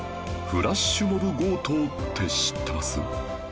フラッシュモブ強盗って知ってます？